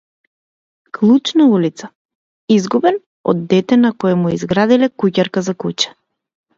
Клуч на улица, изгубен од дете на кое му изградиле куќарка за куче.